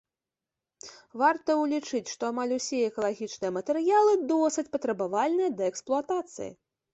Варта ўлічыць, што амаль усе экалагічныя матэрыялы досыць патрабавальныя да эксплуатацыі.